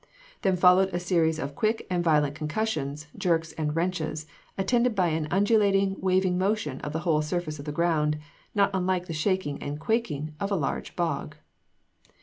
Then followed a series of "quick and violent concussions, jerks and wrenches, attended by an undulating, waving motion of the whole surface of the ground, not unlike the shaking and quaking of a large bog."